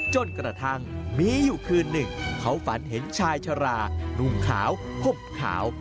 จนกระทั่งมีอยู่คืนหนึ่งเขาฝันเห็นชายชะลานุ่มขาวห่มขาว